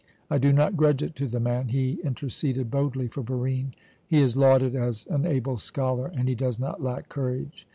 I do not grudge it to the man; he interceded boldly for Barine; he is lauded as an able scholar, and he does not lack courage.